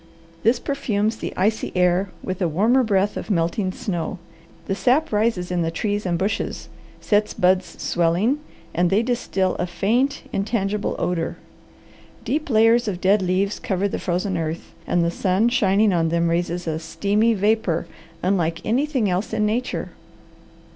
This perfumes the icy air with a warmer breath of melting snow. The sap rises in the trees and bushes, sets buds swelling, and they distil a faint, intangible odour. Deep layers of dead leaves cover the frozen earth, and the sun shining on them raises a steamy vapour unlike anything else in nature.